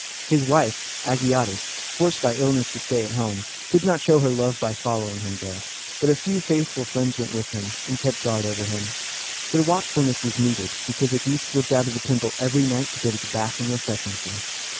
His wife, A gi a´tis, forced by illness to stay at home, could not show her love by following him there; but a few faithful friends went with him, and kept guard over him. Their watchfulness was needed, because Agis slipped out of the temple every night to go to the bath and refresh himself.